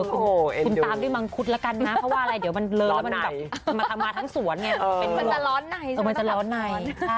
คุณตามด้วยมังคุดละกันนะเพราะว่าอะไรเดี๋ยวมันเลอแล้วมันกลับมาทำมาทั้งสวนไง